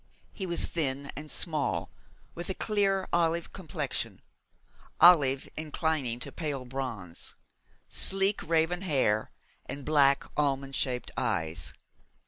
He was thin and small, with a clear olive complexion, olive inclining to pale bronze, sleek raven hair, and black almond shaped eyes.